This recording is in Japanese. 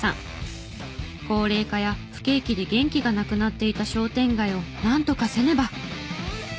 高齢化や不景気で元気がなくなっていた商店街をなんとかせねば！